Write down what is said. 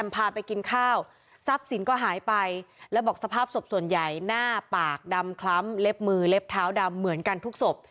พาไปกินข้าวทรัพย์สินก็หายไปแล้วบอกสภาพศพส่วนใหญ่หน้าปากดำคล้ำเล็บมือเล็บเท้าดำเหมือนกันทุกศพ